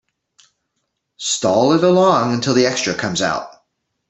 Stall it along until the extra comes out.